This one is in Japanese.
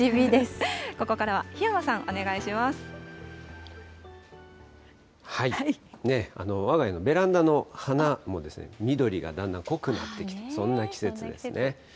ここからは檜山さん、お願いわが家のベランダの花も緑がだんだん濃くなってきて、そんな季節ですね。